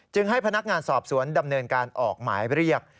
ให้พนักงานสอบสวนดำเนินการออกหมายเรียก